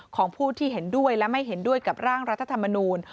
ของผู้ที่เห็นด้วยและไม่เห็นด้วยกับร่างรัฐธรรมนูล